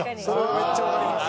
めっちゃわかります。